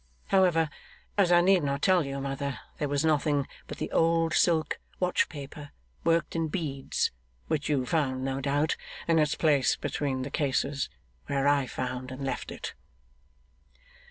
However, as I need not tell you, mother, there was nothing but the old silk watch paper worked in beads, which you found (no doubt) in its place between the cases, where I found and left it.